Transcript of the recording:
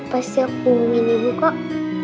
pasti aku hubungin ibu kok